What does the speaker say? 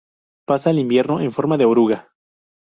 Pasa el invierno en forma de oruga.